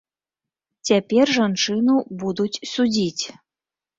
Цяпер жанчыну будуць судзіць.